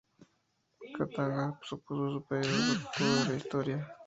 Katanga supuso un periodo oscuro de la Historia.